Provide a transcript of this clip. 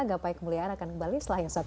gapai kemuliaan akan kembali setelah yang satu